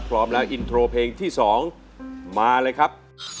พร้อมแล้วอินโทรเพลงที่๒มาเลยครับ